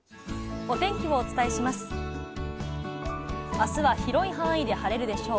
あすは広い範囲で晴れるでしょう。